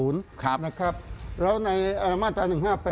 แล้วในมาตรา๑๕๘